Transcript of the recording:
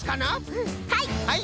はい！